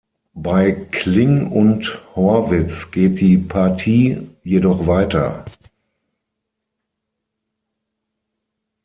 Bei Kling und Horwitz geht die Partie jedoch weiter.